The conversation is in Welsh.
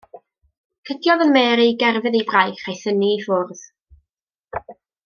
Cydiodd yn Mary gerfydd ei braich a'i thynnu i ffwrdd.